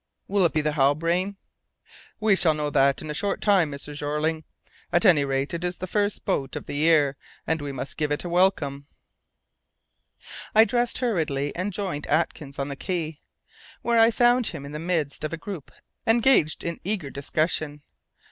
"Will it be the Halbrane?" "We shall know that in a short time, Mr. Jeorling. At any rate it is the first boat of the year, and we must give it a welcome." I dressed hurriedly and joined Atkins on the quay, where I found him in the midst of a group engaged in eager discussion.